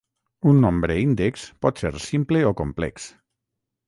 Un nombre índex pot ser simple o complex.